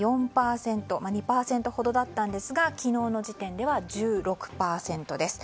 ２％ほどだったんですが昨日の時点では１６％です。